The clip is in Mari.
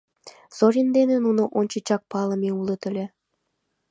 Зорин дене нуно ончычак палыме улыт ыле.